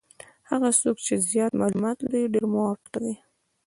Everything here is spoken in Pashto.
هغه څوک چې زیات معلومات لري ډېر موفق دي.